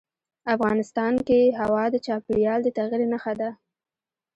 افغانستان کې هوا د چاپېریال د تغیر نښه ده.